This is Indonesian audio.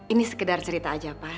ini sekedar cerita aja pak